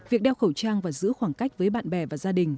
việc đeo khẩu trang và giữ khoảng cách với bạn bè và gia đình